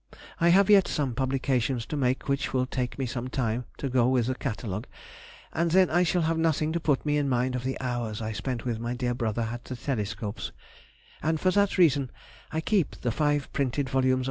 I have yet some publications to make which will take me some time, to go with the catalogue: and then I shall have nothing to put me in mind of the hours I spent with my dear brother at the telescopes, and for that reason I keep the five printed vols.